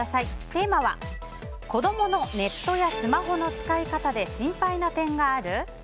テーマは子供のネットやスマホの使い方で心配な点がある？です。